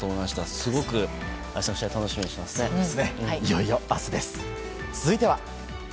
すごく明日の試合楽しみにしてます。